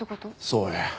そうや。